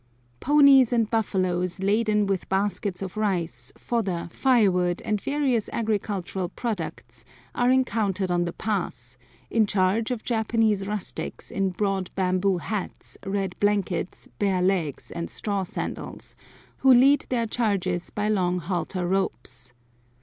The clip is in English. Ponies and buffaloes, laden with baskets of rice, fodder, firewood, and various agricultural products, are encountered on the pass, in charge of Japanese rustics in broad bamboo hats, red blankets, bare legs, and straw sandals, who lead their charges by long halter ropes.